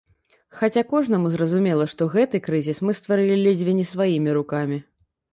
Хаця кожнаму зразумела, што гэты крызіс мы стварылі ледзьве не сваімі рукамі.